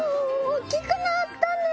大っきくなったね！